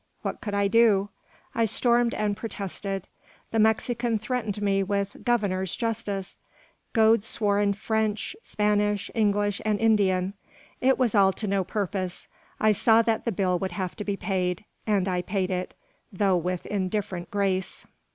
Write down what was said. What could I do? I stormed and protested. The Mexican threatened me with "Governor's" justice. Gode swore in French, Spanish, English, and Indian. It was all to no purpose. I saw that the bill would have to be paid, and I paid it, though with indifferent grace.